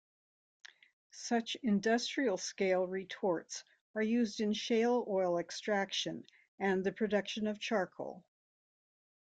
Such industrial-scale retorts are used in shale oil extraction and the production of charcoal.